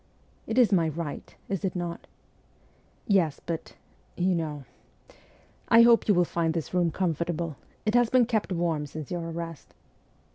' It is my right, is it not ?'' Yes, but you know. ... I hope you will find this room comfortable. It has been kept warm since your arrest.'